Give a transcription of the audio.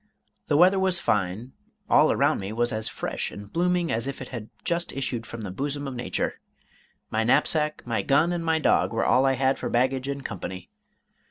The weather was fine, all around me was as fresh and blooming as if it had just issued from the bosom of nature. My knapsack, my gun, and my dog, were all I had for baggage and company.